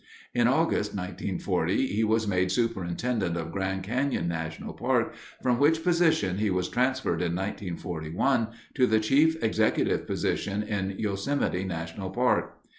In August, 1940, he was made Superintendent of Grand Canyon National Park, from which position he was transferred in 1941 to the chief executive position in Yosemite National Park.